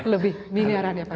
lebih minyaran ya pak